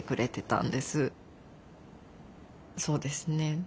そうですね